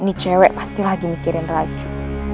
ini cewek pasti lagi mikirin lagi